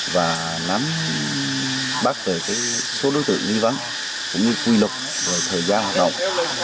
và nắm bắt về số đối tượng nghi vấn cũng như quy luật về thời gian hoạt động